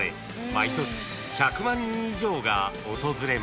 ［毎年１００万人以上が訪れます］